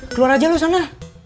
keluar aja lu sana